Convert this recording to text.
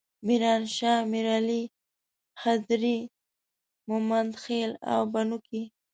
میرانشاه، میرعلي، خدري، ممندخیل او بنو کې.